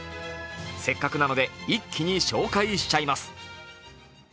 せっかくなので一気に紹介しちゃいます。